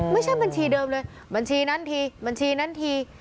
ไม่ใช่บัญชีเดิมเลยบัญชีนั้นทีบัญชีนั้นที